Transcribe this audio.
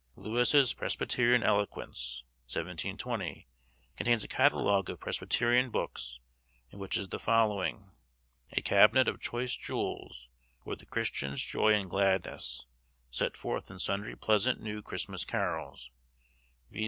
Lewis's 'Presbyterian Eloquence,' 1720, contains a catalogue of Presbyterian books, in which is the following: 'A Cabinet of Choice Jewels; or, the Christian's Joy and Gladness: set forth in sundry pleasant new Christmas carols, viz.